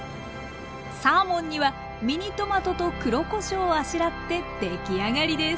サーモンにはミニトマトと黒こしょうをあしらって出来上がりです